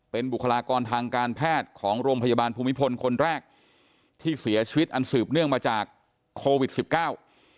เป็นบุคลากรทางการแพทย์ของโรงพยาบาลภูมิพลคนแรกที่เสียชีวิตอันสืบเนื่องมาจากโควิดสิบเก้า